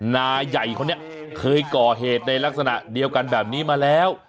นายใหญ่คนนี้เคยก่อเหตุในลักษณะเดียวกันแบบนี้มาแล้ว